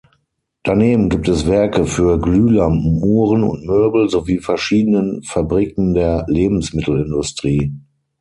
Daneben gibt es Werke für Glühlampen, Uhren und Möbel sowie verschiedenen Fabriken der Lebensmittelindustrie.